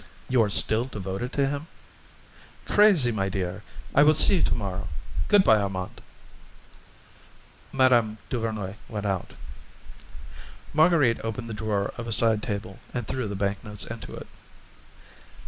"You are still devoted to him?" "Crazy, my dear! I will see you to morrow. Good bye, Armand." Mme. Duvernoy went out. Marguerite opened the drawer of a side table and threw the bank notes into it.